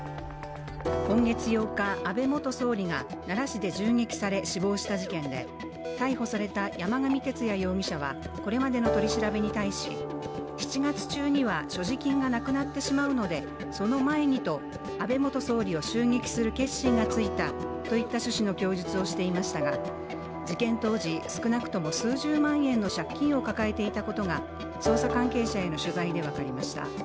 今月８日、安倍元総理が奈良市で銃撃され死亡した事件で逮捕された山上徹也容疑者はこれまでの取り調べに対し、７月中には所持金がなくなってしまうのでその前にと安倍元総理を襲撃する決心がついたといった趣旨の供述をしていましたが事件当時、少なくとも数十万円の借金を抱えていたことが捜査関係者への取材で分かりました。